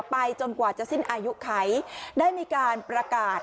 จนกว่าจะสิ้นอายุไขได้มีการประกาศ